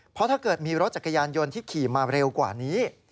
เพราะถ้าเกิดมีรถจักรยานยนต์ที่ขี่มาเร็วกว่านี้